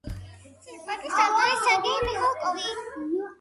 სიტყვების ავტორი სერგეი მიხალკოვი.